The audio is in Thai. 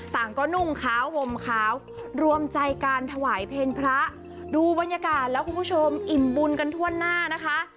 ต่างก็นุ่งขาวห่มขาวรวมใจการถวายเพลงพระดูบรรยากาศแล้วคุณผู้ชมอิ่มบุญกันทั่วหน้านะคะ